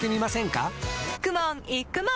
かくもんいくもん